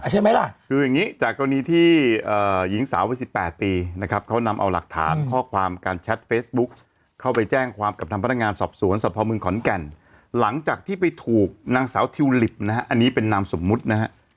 ใช่ไหมล่ะคืออย่างนี้จากตรงนี้ที่หญิงสาวไป๑๘ปีนะครับ